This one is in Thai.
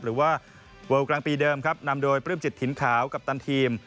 หรือว่าเวิลกลางปีเดิมครับนำโดยปลื้มจิตถิ่นขาวกัปตันทีม